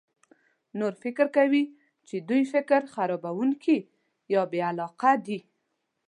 نور فکر کوي چې دوی فکر خرابونکي یا بې علاقه دي.